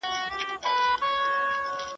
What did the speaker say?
¬ په يوه غوږ ئې ننوزي، تر دا بل غوږ ئې راوزي.